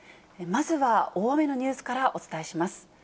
まずは大雨のニュースからお伝えします。